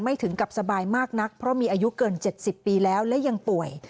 ถึงกับสบายมากนักเพราะมีอายุเกิน๗๐ปีแล้วและยังป่วย